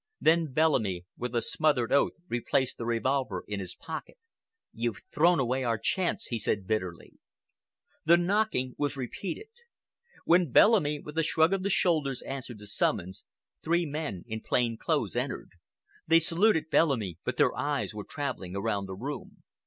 Then Bellamy, with a smothered oath, replaced the revolver in his pocket. "You've thrown away our chance," he said bitterly. The knocking was repeated. When Bellamy with a shrug of the shoulders answered the summons, three men in plain clothes entered. They saluted Bellamy, but their eyes were traveling around the room.